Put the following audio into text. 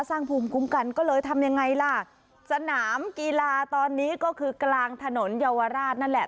ภูมิคุ้มกันก็เลยทำยังไงล่ะสนามกีฬาตอนนี้ก็คือกลางถนนเยาวราชนั่นแหละ